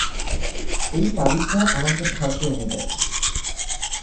এই তাবিজটা আমাকে ভাগ্য এনে দেয়।